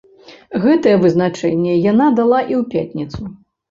Гэта вызначэнне яна дала і ў пятніцу.